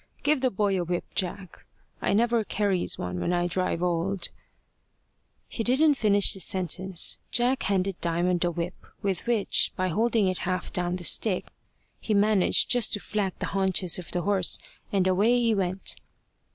Give the boy a whip, Jack. I never carries one when I drive old " He didn't finish the sentence. Jack handed Diamond a whip, with which, by holding it half down the stick, he managed just to flack the haunches of the horse; and away he went.